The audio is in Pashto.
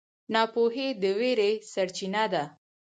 ناپوهي د وېرې سرچینه ده.